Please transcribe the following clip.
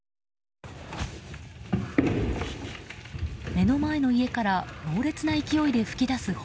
目の前の家から猛烈な勢いで噴き出す炎。